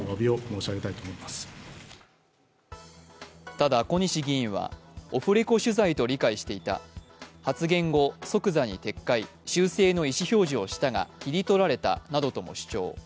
ただ、小西議員はオフレコ取材と理解していた発言後、即座に撤回、修正の意思表示をしたが切り取られたなどとも主張。